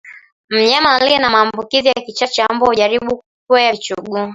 Mnyama aliye na maambukizi ya kichaa cha mbwa hujaribu kukwea vichuguu